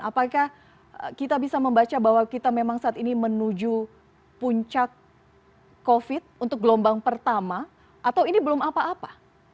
apakah kita bisa membaca bahwa kita memang saat ini menuju puncak covid untuk gelombang pertama atau ini belum apa apa